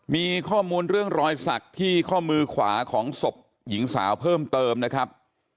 มีข้อมูลเรื่องรอยสักที่ข้อมือขวาของศพหญิงสาวเพิ่มเติมนะครับ